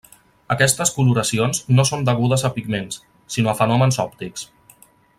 Aquestes coloracions no són degudes a pigments, sinó a fenòmens òptics.